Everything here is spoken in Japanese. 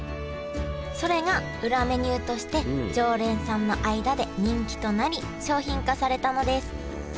それが裏メニューとして常連さんの間で人気となり商品化されたのですへえ